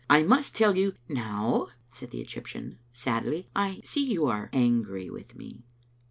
I must tell you " "Now," said the Egyptian, sadly, "I see you are angry with me.